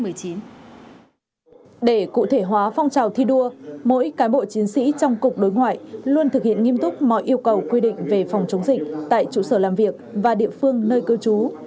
để cụ thể hóa phong trào thi đua mỗi cán bộ chiến sĩ trong cục đối ngoại luôn thực hiện nghiêm túc mọi yêu cầu quy định về phòng chống dịch tại trụ sở làm việc và địa phương nơi cư trú